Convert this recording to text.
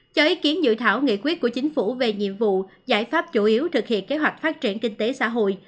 cho ý kiến dự thảo nghị quyết của chính phủ về nhiệm vụ giải pháp chủ yếu thực hiện kế hoạch phát triển kinh tế xã hội